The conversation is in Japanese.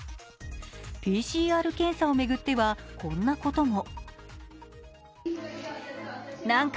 ＰＣＲ検査を巡っては、こんなことも。